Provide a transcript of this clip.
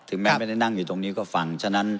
ถึงแม้ไม่ได้นั่งอยู่ตรงนัี้ก็ฟัง